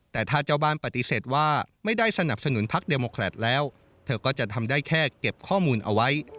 แต่ถ้าเจ้าบ้านปฏิเสธว่าไม่ได้สนับสนุนพักเดโมแครตแล้วเธอก็จะทำได้แค่เก็บข้อมูลเอาไว้